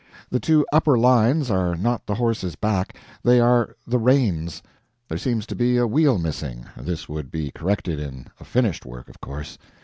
The two upper lines are not the horse's back, they are the reigns; there seems to be a wheel missing this would be corrected in a finished Work, of course.